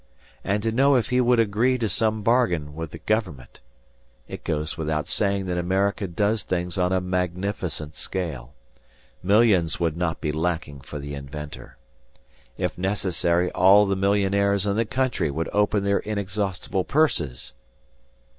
And to know if he would agree to some bargain with the government! It goes without saying that America does things on a magnificent scale. Millions would not be lacking for the inventor. If necessary all the millionaires in the country would open their inexhaustible purses!